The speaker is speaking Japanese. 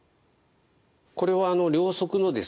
これは両足のですね